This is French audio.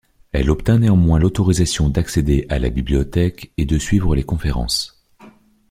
Elle obtient néanmoins l'autorisation d'accéder à la bibliothèque et de suivre les conférences.